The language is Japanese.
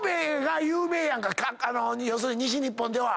要するに西日本では。